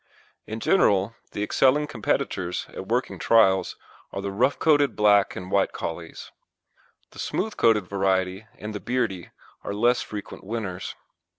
In general the excelling competitors at working trials are the rough coated black and white Collies. The smooth coated variety and the Beardie are less frequent winners.